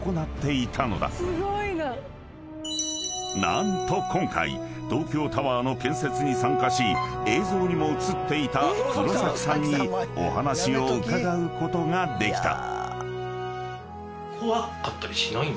［何と今回東京タワーの建設に参加し映像にも映っていた黒崎さんにお話を伺うことができた］